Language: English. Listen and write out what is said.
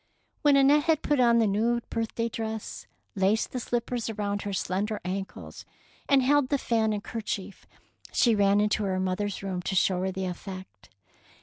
When Annette had put on the new birthday dress, laced the slippers around her slender ankles, and held the fan and kerchief, she ran into her mother^ s room to show her the effect.